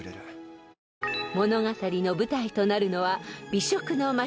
［物語の舞台となるのは美食の街